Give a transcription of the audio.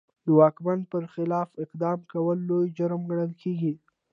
د واکمن پر خلاف اقدام کول لوی جرم ګڼل کېده.